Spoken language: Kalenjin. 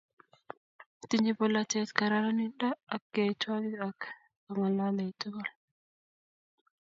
Tinye bolotet kararanindo ak yaitwakik ak angalale tugul